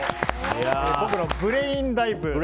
僕のブレインダイブ